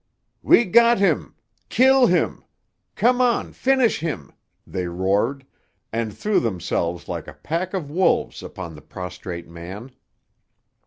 "We got him! Kill him! Come on! Finish him!" they roared, and threw themselves like a pack of wolves upon the prostrate man.